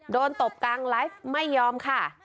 ตบกลางไลฟ์ไม่ยอมค่ะ